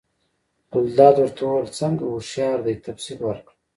ګلداد ورته وویل: څنګه هوښیار دی، تفصیل ورکړه؟